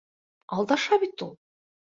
Алдаша бит ул!